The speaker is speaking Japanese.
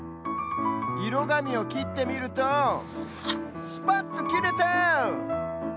いろがみをきってみるとスパッときれた！